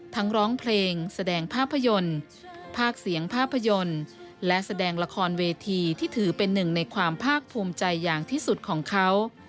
ร้องเพลงแสดงภาพยนตร์ภาคเสียงภาพยนตร์และแสดงละครเวทีที่ถือเป็นหนึ่งในความภาคภูมิใจอย่างที่สุดของเขา